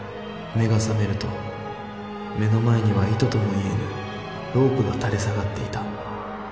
目が覚めると目の前には糸とも言えぬロープが垂れ下がっていた。